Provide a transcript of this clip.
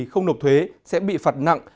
không nộp thuế sẽ bị phạt nặng